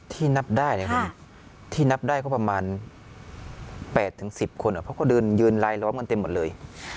ที่นับได้นะครับที่นับได้ก็ประมาณ๘๑๐คนเพราะก็ยืนรายล้อมกันเต็มหมดเลย